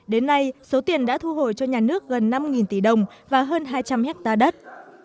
đến nay số tiền đã thu hồi cho nhà nước gần năm tỷ đồng và hơn hai trăm linh hectare đất